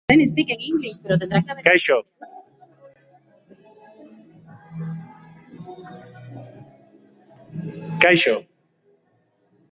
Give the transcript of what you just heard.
Guztia azken laurdenean erabaki zen.